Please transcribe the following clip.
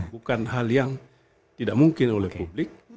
bukan hal yang tidak mungkin oleh publik